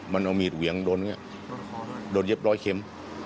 มันเอามีดเหวียงโดนเย็บร้อยเข็ม